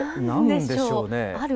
なんでしょうね。